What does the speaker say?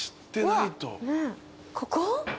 ここ？